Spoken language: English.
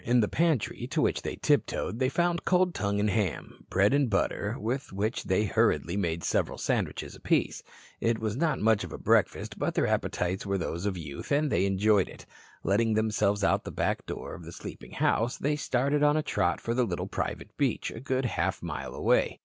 In the pantry, to which they tiptoed, they found cold tongue and ham, bread and butter, with which they hurriedly made several sandwiches apiece. It was not much of a breakfast, but their appetites were those of youth and they enjoyed it. Letting themselves out of the back door of the sleeping house, they started on a trot for the little private beach, a good half mile away.